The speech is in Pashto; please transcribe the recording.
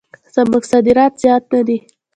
زموږ صادرات زیات نه دي.